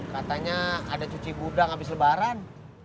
katanya ada cuci gudang habis lebaran